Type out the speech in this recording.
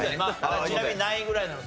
ちなみに何位ぐらいなの？